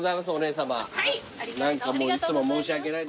何かもういつも申し訳ないです。